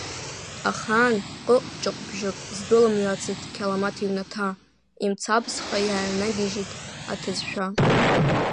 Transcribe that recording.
Ахаан ҟыҟ-ҿыҟбжьык здәылымҩыцыз Қьаламаҭ иҩнаҭа, имцабзха иааҩнагьежьит аҭыӡшәа.